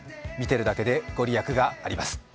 見てるだけでご利益があります。